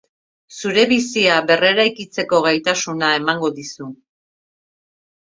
Zure bizia berreraikitzeko gaitasuna emango dizu.